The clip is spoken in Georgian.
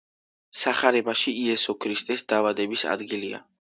სახარებაში იესო ქრისტეს დაბადების ადგილია.